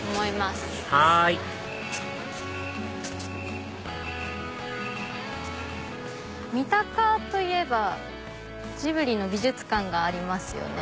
はい三鷹といえばジブリの美術館がありますよね。